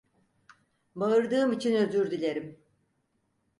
Bağırdığım için özür dilerim.